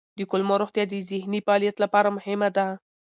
د کولمو روغتیا د ذهني فعالیت لپاره مهمه ده.